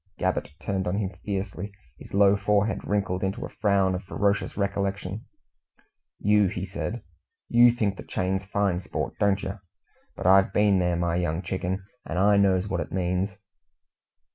Gabbett turned on him fiercely, his low forehead wrinkled into a frown of ferocious recollection. "You!" he said "You think the chain's fine sport, don't yer? But I've been there, my young chicken, and I knows what it means."